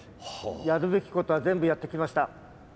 やるべきことは全部やってきました。